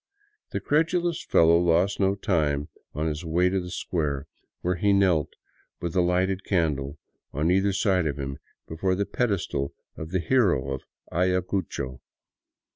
The credulous fellow lost no time on his way to the square, where he knelt with a lighted candle on either side of him before the pedestal of the Hero of Aya cucho.